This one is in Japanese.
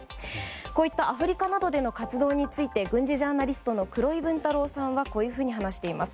こういったアフリカなどでの活動について軍事ジャーナリストの黒井文太郎さんはこう話します。